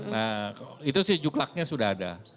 nah itu sih juklaknya sudah ada